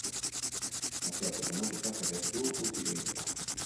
Nazioarteko musikak ere ez du hutsik egingo.